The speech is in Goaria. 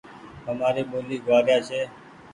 همآري ٻولي گوآريا ڇي۔